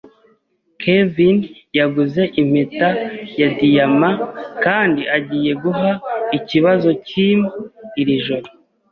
Kevin yaguze impeta ya diyama kandi agiye guha ikibazo Kim iri joro.